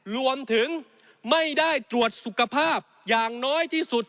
รวมถึงไม่ได้ตรวจสุขภาพอย่างน้อยที่สุด